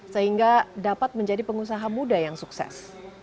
sehingga dapat menjadi pengusaha muda yang sukses